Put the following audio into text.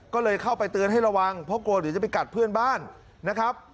ก็เลยเข้าไปเตือนให้ระวังเพราะกลัวเดี๋ยวจะไปกัดเพื่อนบ้านนะครับ